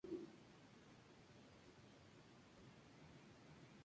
Es considerada una de las actrices porno más bellas de la industria.